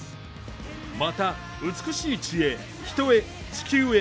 また「美しい知恵人へ、地球へ」